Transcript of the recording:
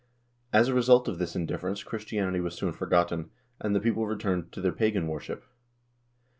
* As a result of this indifference Christianity was soon forgotten, and the people returned to their pagan worship.